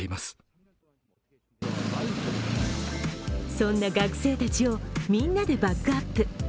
そんな学生たちをみんなでバックアップ。